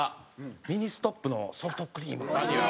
ミニストップのソフトクリームです。